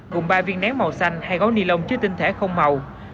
gồm ba viên nén màu xanh hai gói nilon chứa tinh thể không màu